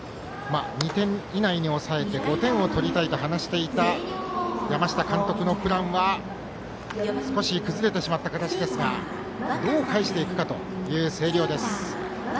２点以内に抑えて５点を取りたいと話していた山下監督のプランは少し崩れてしまった形ですがどう返していくかという星稜です。